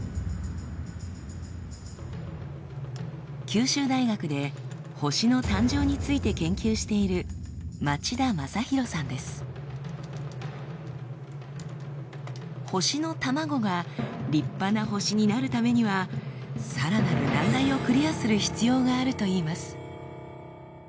九州大学で星の誕生について研究している星のタマゴが立派な星になるためにはさらなる難題をクリアする必要があるといいます。